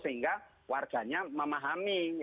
sehingga warganya memahami